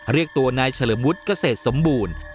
เรียกตัวนายเฉลิมวุฒิเกษตรสมบูรณ์